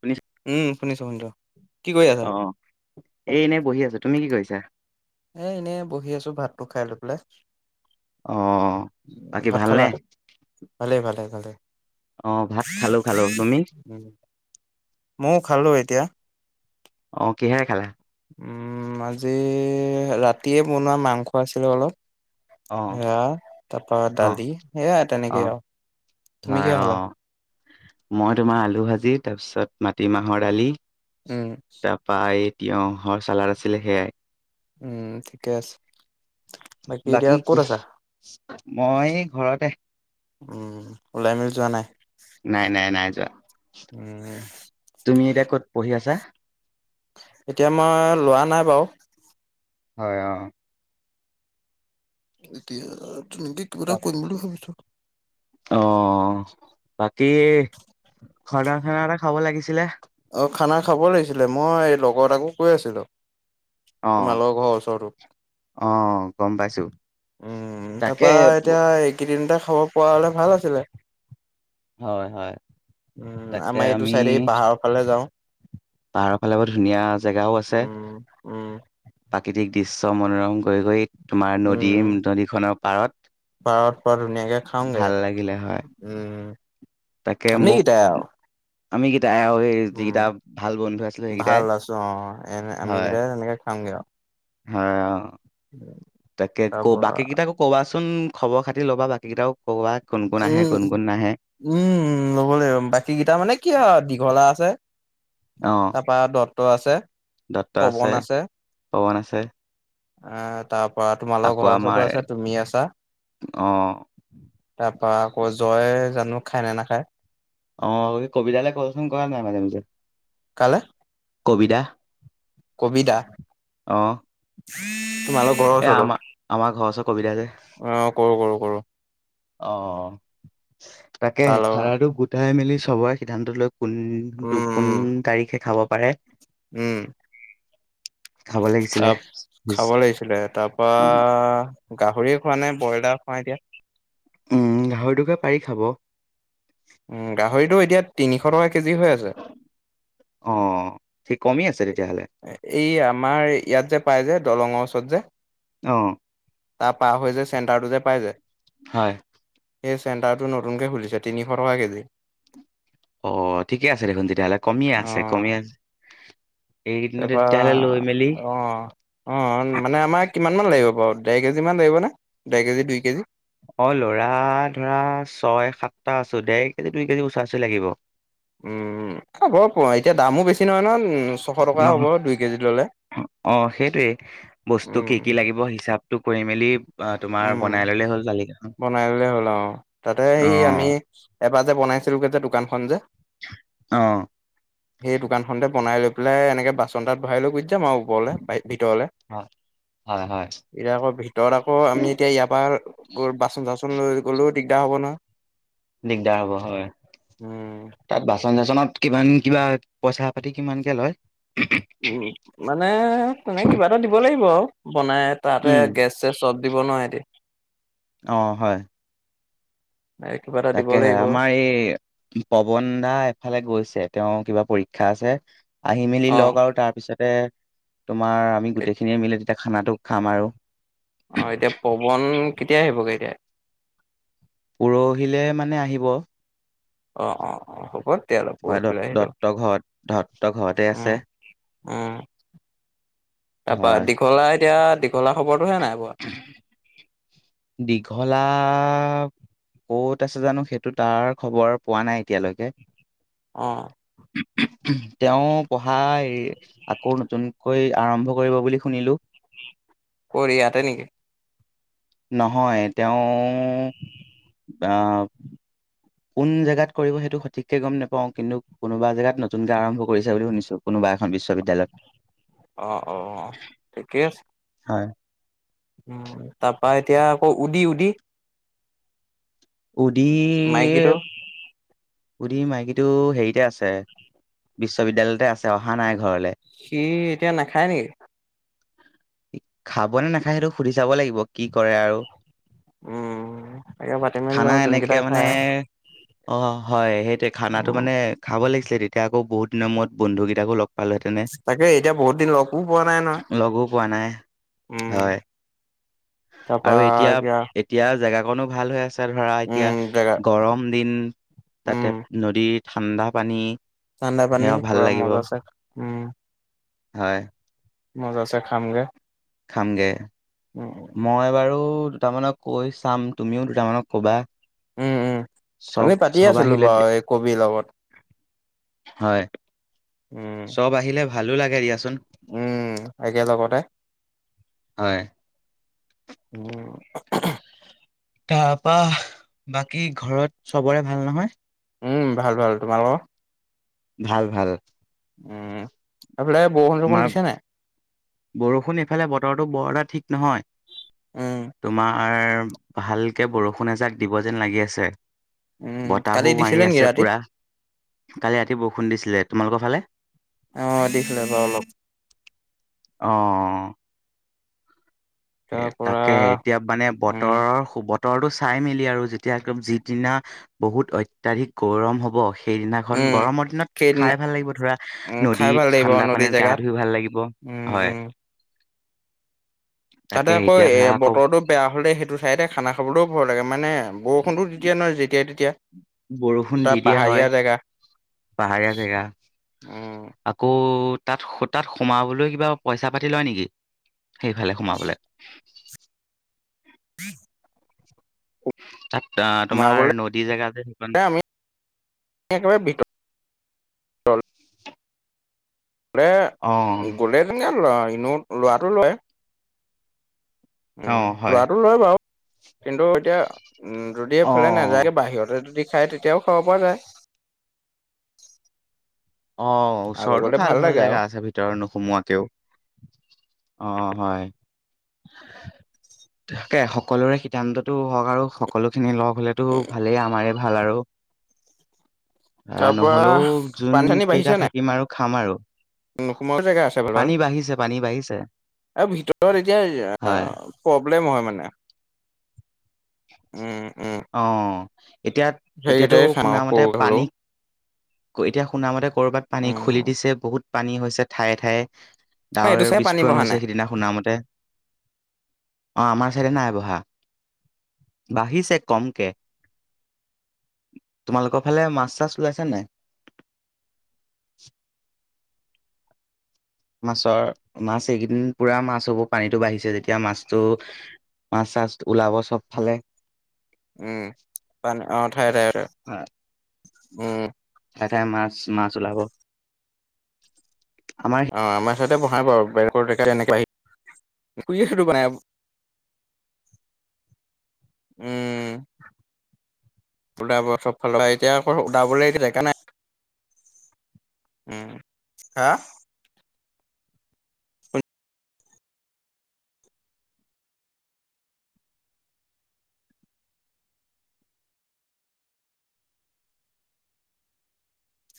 শুনিছা উম শুনিছো শুনিছো কি কৰি আছা? এ এনেই বহি আছো তুমি কি কৰিছা। এ এনেই বহি আছো ভাতটো খাই লৈ পেলাই, অঁ বাকী ভাত ভালনে খালা ভালেই ভালে ভালেই। অঁ ভাত খালো খালো তুমি মইও খালো এতিয়া। অ কিহে খালা? উম আজি ৰাতিয়ে বনোৱা মাংস আছিলে অলপ। অঁ হেয়া তাপা অঁ দালি সেয়া তেনেকেই অঁ আৰু তুমি হয় কিহে অ খালা? মই তোমাৰ আলু ভাজি তাৰপিছত মাটিমাহৰ দালি, উম তাৰাপা তিয়ঁহৰ চালাদ আছিলে সেয়াই। উম ঠিকে আছে। এতিয়া বাকী ক'ত আছা? মই ঘৰতে উম ওলাই মেলি যোৱা নাই। নাই নাই নাই যোৱা উম তুমি এতিয়া ক'ত পঢ়ি আছা? এতিয়া মই লোৱা নাই বাৰু। হয় অ এতিয়া তেনেকে কিবা এটা কৰিম বুলি ভাবিছো। অ বাকী খৰদাৰখানা এটা খাব লাগিছিলে, অ খানা খাব লাগিছিলে মই লগৰ এটাকো কৈ আছিলো। অঁ তোমালোকৰ ঘৰ ওচৰতো। অঁ গম পাইছো উম তাকে তাৰপা এতিয়া এইকেইদিনটে। খাব পৰা হলে ভাল আছিলে। হয় হয়। উম তাকে আমাৰ এইটো আমি চাইডে পাহাৰৰ ফালে যাওঁ পাহাৰৰ ফালে বা ধুনীয়া জেগাও আছে উম, উম, প্ৰাকৃতিক দৃশ্য মনোৰম কৰি গৈ তোমাৰ নদীৰ নদীখনৰ পাৰত। পাৰত পুৰা ধুনীয়াকে খাওঁগে, ভাল লাগিলে হয় উম তাকে মোক আমিকেইটাই আৰু আমি। তাই আৰু এই উম, যিকেইটা ভাল বন্ধু আছিলো সেইকেইটাই ভাল আছো অ', এনে হয়। আমিকেইটাই তেনেকে খামগে আৰু হ তাকে ক তাৰপৰা বাকী কেইটাকো ক'বা চোন। চোন খবৰ খাতি ল'বা বাকীকেইটাও ক'ৰবাত। উম উম ল'ব লাগিব বাকী কেইটা মানে কি হয় দীঘলা আছে। অ তাৰপা দত্ত আছে পৱন আছে। পৱন আছে আহ তাৰ পৰা তোমালৰ আকৌ ঘৰৰ ওচৰতো আমাৰ আছে তুমি আছা। অ তাৰ পৰা আকৌ জয় জানো খাই নে নাখায়? অ' সেই কবিতালৈ কচোন কৰা নাই মাজে মাজে কালৈ? কবিদা কবিতা। উম। এ আমা আমাৰ যৰ ওচৰত। অ' কৰো কৰো কৰো। অ' তাকে তাৰ লগা খাৰাটো গোটাই মেলি চবৰে সিদ্ধান্ত লৈ কোন উম, কোন উম। তাৰিখে খাব পাৰে? উম। খাব লাগে। তাত খাব লাগিছিলে তাৰ অ', পৰা গাহৰি খোৱা নে ব্ৰইলাৰ খোৱা এতিয়া? উম গাহৰি টোকে পাৰি খাব। গাহৰিটো এতিয়া তিনিশ টকা কেজি হৈ আছে। অ ঠিক কমি আছে তেতিয়াহ'লে এই আমাৰ ইয়াত যে পাই যে দলঙৰ ওচৰত যে। আহ। তাৰ পাৰ হৈ যে চেণ্টাৰটো যে পাই যে, হয়। সেই চেণ্টাৰটো নতুনকে খুলিছে তিনিশ টকা কেজি। অ' ঠিকে আছে দেখোন তেতিয়াহ'লে কমিয়ে আছে। কমি আ তাৰপৰা অ' অ' মানে আমাক কিমান মান লাগে, লাগিব বাৰু দেৰ কেজি মান লাগিব নে ডেৰ কেজি দুই কেজি। অ' লৰা ধৰা ছয় সাতটা আছো। দেৰ কেজি দুই কেজি ওচৰা চৰি লাগিব। হ'ব এতিয়া দামো বেছি নহয় নহয় ছশ টকা নহ হ'ব দুই কেজি ল'লে। অ' সেইটয়ে বস্তু কি কি উম, লাগিব হিচাপ। কৰি মেলি অ' তোমাৰ বনাই ল'লে হ'ল। জালি বনাইলে হ'ল অ' তাতে সেই আমি এবাৰ যে বনাইছিলোগে যে দোকানখনন যে অ সেই দোকান খতে বনাই লৈ পফে এনেে বানাতৰা লৈ গুজ যাম আৰু ওপৰলৈ ভিতৰলৈ হয় হয় হয় এ আকৌ ভিতৰত আকৌ আমি এতিয়া ইয়াৰ পৰা গ বাচন চাচন লৈ গ'লেও দিগদাৰ হ'ব নহয়, দিগদাৰ হ'ব হয়, উম, তাত বাচন চাচনত কিমান কিবা পইচা পাতি কিমানকে লয়? উম, মানে তেনে কিবা এটা দিব লাগিব আও, বনাই তাতে উম, গেছ -চেছ চব দিব নোৱাৰে হেঁতি? অ' হয়। কিবা এটা দিব তাকেহে, লাগিব আমাৰ এই পৱনদা এফালে গৈছে। তেওঁ কিবা পৰীক্ষা শিক্ষা আছে আহি মেলি লওঁ‌ক অ'। আৰু তাৰপিছতে। তোমাৰ, আমি গোটেইখিনিয়ে মিলি যেতিয়া খানাটো খাম আৰু অ' এতিয়া পৱন কেতিয়া আহিবগে এতিয়া? পৰহিলে মানে আহিব। অ' অ' অ' [unintelligible] পৰহিলৈ [unintelligible] আহিলো ঘৰতে উম আছে! উম, তাপা হয়। দীঘলা এতিয়া, দীঘলা খবৰটোহে নাই। পোৱা দীঘল লা, ক'ত আছে জানো সেইটো তাৰ খবৰ পোৱা নাই এতিয়ালৈকে। অ তেওঁ পঢ়া এ এই আকৌ নতুনকৈ আৰম্ভ কৰিব বুলি শুনিলোঁ। কৰ ইয়াতে নেকি? নহয়, তেওঁ আ কোন জেগাত কৰিব সেইটো সঠিককে গম নাপাও, কিন্তু কোনোবা জেগাত নতুনকে আৰম ভ কৰিছে বুলি শুনিছোঁ কোনোবা এখন অ অ অ বিশ্ববিদ্যালয়ত। ঠিকে আছে হয়। উম, তাৰ পা এতিয়া আকৌ উদি উদি উদী মাইকীটো উদীৰ মাইকীটো হেৰিতে আছে, বিশ্ববিদ্যালয়তে আছে অহা নাই। ঘৰলে সি এতিয়া নাখায় নেকি? খাব নে নাখায় সেইটো সুধি ছাব লাগিব কি কৰে আৰু। উম তাকে পাতি মেলি খানা লওঁ এনেকে যোনকেইটা মানে খাই আৰু অ' হয় সেইটোৱে খানাটো উম মানে খাব লাগিছিলে তেতিয়া আকৌ বহুত দিনৰ মূৰত বন্ধুকেইটাকো লগ পালোহেঁতেনে, তাকে এতিয়া বহুত দিন লগো পোৱা নাই নহয় লগো পোৱা নাই। উম হয় আৰু এতিয়া - এতিয়া জাগা কনো ভাল হৈ আছে ধৰা এতিয়া উম জেগা গৰম দিন, উম তাতে নদীত ঠাণ্ডা পানী ঠাণ্ডা পানী সেয়া ভাল পুৰা লাগিব মজা চে, উম। হয়। মজাছে খামগে। খামগে। উম মই বাৰু দুটামানক কৈ চাম, তুমিও দুটামানক কবা। উম, উম, চব আমি পাতিয়ে চব আছিলো আহিলে বাও দি- এই কবিৰ লগত। হয়, উম চব আহিলে ভালো লাগে দিয়া চোন, উম একেলগতে হয়। [unintelligible] তাৰপা বাকী ঘৰত চবৰে ভাল নহয়? উম, ভাল ভাল। তোমালোকৰ? ভাল ভাল। উম, সেইফালে বৰষুণ - চৰষুণ তোমাৰ দিছে নাই? বৰষুণ এইফালে বতৰতো বৰ এটা ঠিক নহয়, উম তোমাৰ ভালকে বৰষুণ এজাক দিব যেন লাগি আছে। উম কালি বতাহো মাৰি দিছিলে নেকি আছে ৰাতি পুৰা, কালি ৰাতি বৰষুণ দিছিলে। তোমালোকৰ ফালে? অ', দিছিলে বাৰু অলপ। অ'। এ তাৰ পৰা তাকেহে, এতিয়া মানে উম বতৰৰ সু বতৰটো চাই- মেলি আৰু যে [unintelligible] যিদিনা বহুত অত্যাধিক গৰম হ'ব সে সেইদিনাখন উম গৰমৰ দিনত সেইদিনা খাই ভাল লাগিব ধৰা, উম খাই ভাল নদীত লাগিব ঠাণ্ডা নদী পানীত গা জেগাত ধুই ভাল লাগিব। উম উম। [inaudible] তাতে তাকে আকৌ, এতিয়া ধৰা এ আকৌ বতৰটো বেয়া হ'লে সেইটো চাইডে খানা খাবলো ভয় লাগে। মানে বৰষুণটো দি দিয়ে নহয়, যেতিয়াই তেতিয়া বৰষুণ তাত দি দিয়া হয় পাহাৰীয়া জেগা। পাহাৰীয়া জেগা। উম আকৌ তাত তাত সোমাবলৈ কিবা পইচা পাতি লয় নেকি সেইফালে সোমাবলে। উ তাত আহ তোমাৰ সোমাবলে নদী জেগা যে সেইখন আমি অল মানে অ গলে তেনেকে এনে লোৱাটো লয়। অ উম, হয় লোৱাটো লয় বাও কিন্তু এতিয়া, উম যদি এইফালে অ নাযায়ে বাহিৰতে যদি খাই তেতিয়াও খাব পৰা যায়। অঁ-, আগলে ওচৰটো গ'লে ভাল ভাল লাগে জেগা আৰু আছে ভিতৰত নোসোমোৱাকেওঁ। অ হ'য়। তাকে, সকলোৰে সিদ্ধান্তটো হওঁক আৰু সকলোখিনি লগ হ'লেটো ভালেই, আমাৰে ভাল আৰু। আ তাৰ পৰা নহলেও, যোন কেইটা থাকিম আৰু খাম আৰু সোমায় জেগা আছে ভাল ভাল। পানী বাঢ়িছে পানী বাঢ়িছে আৰু ভিতৰত এতিয়া, হয় প্ৰব্লেম হয় মানে। উম উম অ। এতিয়া এতিয়াতো সেইকেইটাই খাম শুনা আৰু মতে সৰু পানী হ'লেও কৈ দিয়া শুনা মতে কৰ'বাত পানী খুলি উম দিছে, বহুত পানী হৈছে ঠাই ঠাই। ডাৱৰ এইটো চাই পানী বিস্ফোৰণ বঢ়া হৈছে নাই সিদিনা শুনামতে। অ, আমাৰ চাইডে নাই বঢ়া, বাঢ়িছে কমকে। তোমালোকৰ ফালে মাছ চাছ ওলাইছে নাই? মাছৰ, মাছ এইকেইদিন পুৰা মাছ হ'ব। পানীটো বাঢ়িছে যেতিয়া মাছটো মাছ চাছ ওলাব চবফালে। উম, পানী অ ঠাই ঠাই উম। এঠাই মাছ মাছ ওলাব। আমাৰ অ আমাৰ তহতে বহাই ব আৰু বে এনেকে আহি পুখুৰীয়ে হয়তো বনাব উম- ওলাব চব ফালৰপা, এতিয়া আকৌ ওলাবলেগে জেগা নাই। উম, হাঁ